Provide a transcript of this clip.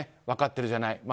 分かってるじゃない。